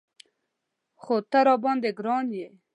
خو ته راباندې ګران یې.